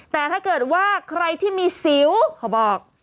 แต่ถ้าเกิดว่าใครที่มีสิวเขาบอก